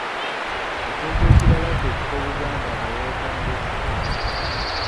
Ekintu ekirala ky’ekifo Buganda mwe yeetondese.